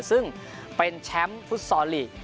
ซึ่งเป็นแชมป์ฟุตซอลลีก